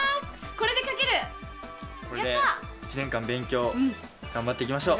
これで１年間勉強頑張っていきましょう。